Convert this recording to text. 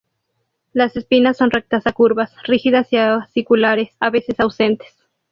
Las espinas son rectas a curvas, rígidas y aciculares, a veces ausentes.